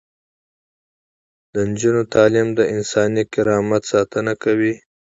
د نجونو تعلیم د انساني کرامت ساتنه کوي.